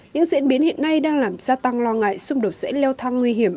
những diễn biến hiện nay đang làm gia tăng lo ngại xung đột sẽ leo thang nguy hiểm